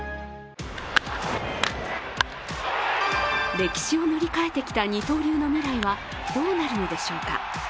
歴史を塗り替えてきた二刀流の未来はどうなるのでしょうか。